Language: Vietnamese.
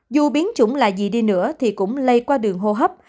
dù biến chủng là gì đi nữa thì cũng lây qua đường hô hấp